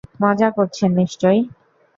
মজা করছেন নিশ্চয়।